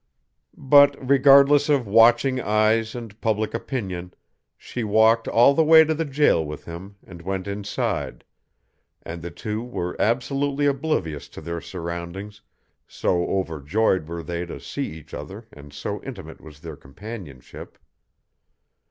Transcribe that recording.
But, regardless of watching eyes and public opinion, she walked all the way to the jail with him and went inside; and the two were absolutely oblivious to their surroundings, so overjoyed were they to see each other and so intimate was their companionship.